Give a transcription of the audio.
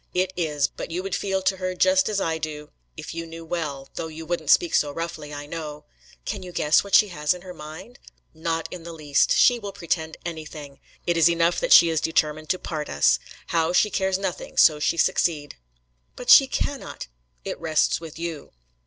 "It is; but you would feel to her just as I do if you knew all though you wouldn't speak so roughly, I know." "Can you guess what she has in her mind?" "Not in the least. She will pretend anything. It is enough that she is determined to part us. How, she cares nothing, so she succeed." "But she cannot!" "It rests with you."